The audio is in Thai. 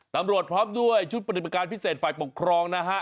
ตำรวจพร้อมด้วยชุดปฏิบัติการพิเศษฝ่ายปกครองนะฮะ